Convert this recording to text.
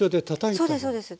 そうですそうです。